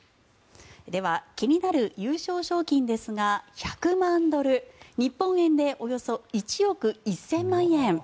では、気になる優勝賞金ですが１００万ドル日本円でおよそ１億１０００万円。